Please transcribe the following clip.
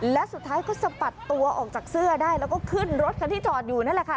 และสุดท้ายก็สะปัดตัวออกจากเสื้อได้แล้วก็ขึ้นรถคันที่จอดอยู่นั่นแหละค่ะ